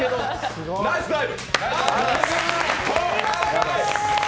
ナイスダイブ！